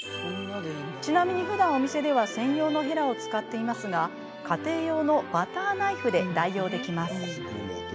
ちなみにふだんお店では専用のヘラを使っていますが家庭用のバターナイフで代用できます。